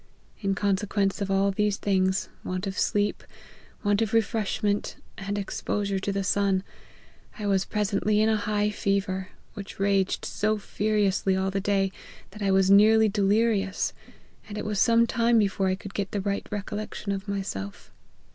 In consequence of all these things, want of sleep, want of refreshment, and exposure to the sun, I was presently in a high fever ; which raged so furiously all the day, that I was nearly delirious, and it was some time before I could get the right recollection of myself.